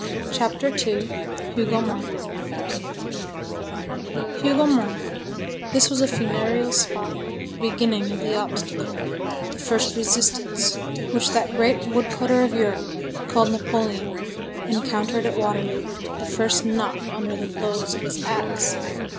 CHAPTER II—HOUGOMONT Hougomont,—this was a funereal spot, the beginning of the obstacle, the first resistance, which that great wood cutter of Europe, called Napoleon, encountered at Waterloo, the first knot under the blows of his axe.